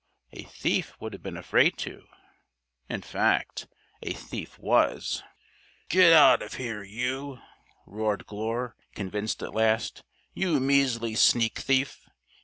A thief would have been afraid to. In fact, a thief was!" "Get out of here, you!" roared Glure, convinced at last. "You measly sneak thief!